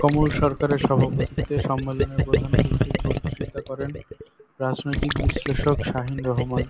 কমল সরকারের সভাপতিত্বে সম্মেলনে প্রধান অতিথির বক্তৃতা করেন রাজনৈতিক বিশ্লেষক শাহীন রহমান।